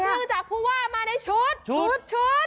ขึ้นจากผู้ว่ามาในชุด